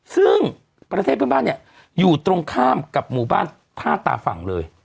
ซึ่งประเทศเพื่อนบ้านเนี่ยอยู่ตรงข้ามกับหมู่บ้านท่าตาฝั่งเลย